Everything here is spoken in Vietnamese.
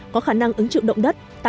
có khả năng ứng trực động đất